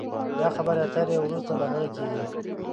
دا خبرې اترې وروسته له هغه کېږي